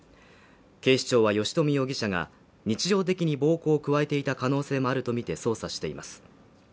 警視庁は吉冨容疑者が日常的に暴行を加えていた可能性もあるとみて捜査しています。